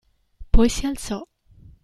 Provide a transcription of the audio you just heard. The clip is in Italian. Poi si alzò.